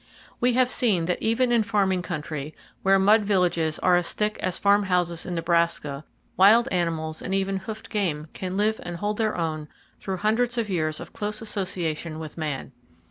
We have seen that even in farming country, where mud villages are as thick as farm houses in Nebraska, wild animals and even hoofed game can live and hold their own through hundreds of years of close association with man.